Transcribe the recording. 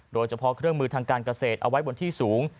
โดยเฉพาะเครื่องมือทางการเกษตรเอาไว้บนที่สูง